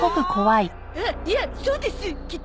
あいやそうですきっと。